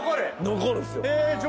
残るんすよ。